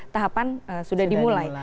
tahapan sudah dimulai